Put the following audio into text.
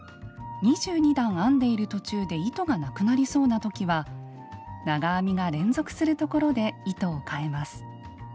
２２段編んでいる途中で糸がなくなりそうな時は長編みが連続するところで糸をかえます。